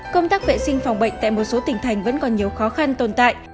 công tác vệ sinh phòng bệnh tại một số tỉnh thành vẫn còn nhiều khó khăn tồn tại